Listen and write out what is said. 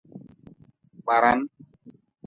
Kparan.